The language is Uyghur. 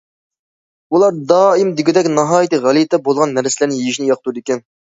ئۇلار دائىم دېگۈدەك ناھايىتى غەلىتە بولغان نەرسىلەرنى يېيىشنى ياقتۇرىدىكەن.